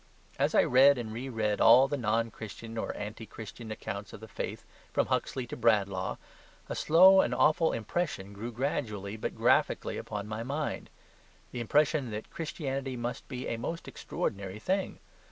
As I read and re read all the non Christian or anti Christian accounts of the faith, from Huxley to Bradlaugh, a slow and awful impression grew gradually but graphically upon my mind the impression that Christianity must be a most extraordinary thing.